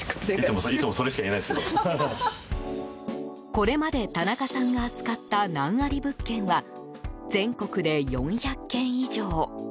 これまで田中さんが扱った難あり物件は全国で４００件以上。